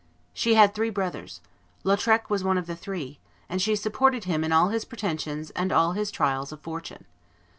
She had three brothers; Lautrec was one of the three, and she supported him in all his pretensions and all his trials of fortune.